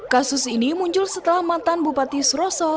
kasus ini muncul setelah mantan bupati suroso